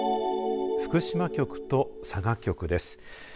福島局と佐賀局です。